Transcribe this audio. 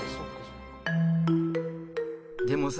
でもさ